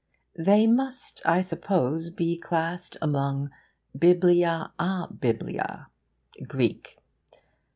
They must, I suppose, be classed among biblia abiblia [Greek].